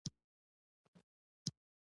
مولوي عبیدالله سندي د تحریک مشر وو.